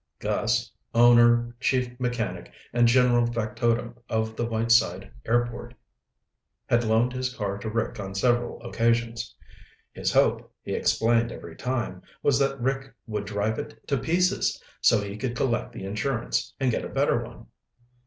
Gus, owner, chief mechanic, and general factotum of the Whiteside Airport, had loaned his car to Rick on several occasions. His hope, he explained every time, was that Rick would drive it to pieces so he could collect the insurance and get a better one.